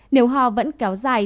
nếu họ vẫn kéo dài